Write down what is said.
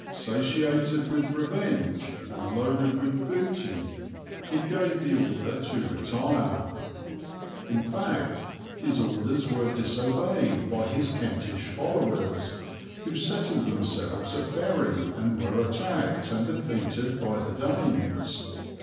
Satiated with revenge and loaded with booty, he gave the order to retire." In fact his orders were disobeyed by his Kentish followers, who settled themselves at Bury and were attacked and defeated by the Danes.